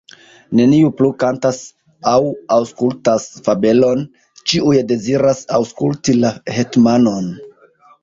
Neniu plu kantas aŭ aŭskultas fabelon, ĉiuj deziras aŭskulti la hetmanon.